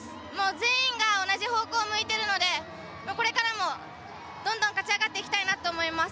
全員が同じ方向を向いているのでこれからも、どんどん勝ち上がっていきたいと思います。